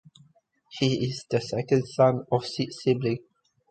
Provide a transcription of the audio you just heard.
He is the second son of six siblings.